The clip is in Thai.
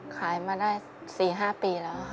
ขายมาได้สี่ห้าปีแล้วค่ะ